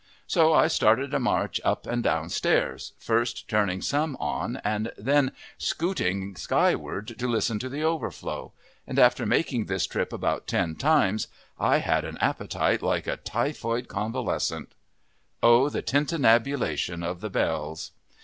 So I started a march up and down stairs, first turning some on and then scooting skyward to listen to the overflow, and after making this trip about ten times I had an appetite like a typhoid convalescent. O the tintinnabulation of the bells!